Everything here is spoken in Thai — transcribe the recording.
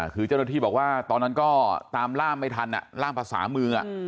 คือเจ้าหน้าที่บอกว่าตอนนั้นก็ตามล่ามไม่ทันล่ามภาษามือ